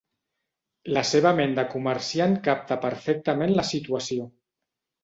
La seva ment de comerciant capta perfectament la situació.